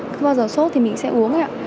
cứ bao giờ sốt thì mình sẽ uống